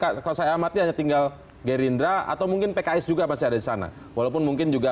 kalau saya amati hanya tinggal gerindra atau mungkin pks juga masih ada di sana walaupun mungkin juga